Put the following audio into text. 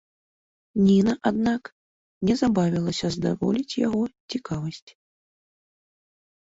Ніна, аднак, не забавілася здаволіць яго цікавасць.